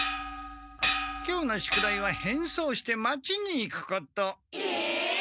今日の宿題は変装して町に行くこと。え！？